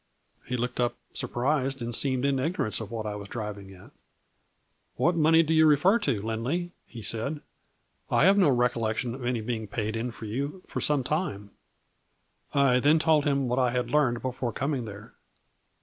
He looked up surprised and seemed in ignorance of what I was driving at. "' What money do you refer to, Lindley ?' he said, ' I have no recollection of any being paid in for you for some time/ " I then told him what I had learned before coming there.